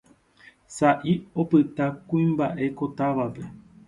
sa'i opyta kuimba'e ko távape